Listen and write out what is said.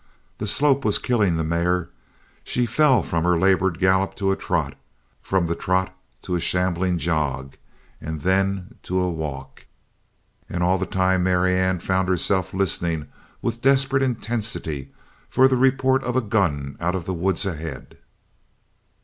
The slope was killing the mare. She fell from her labored gallop to a trot, from the trot to a shambling jog, and then to a walk. And all the time Marianne found herself listening with desperate intensity for the report of a gun out of the woods ahead!